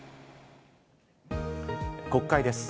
国会です。